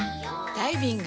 ダイビング。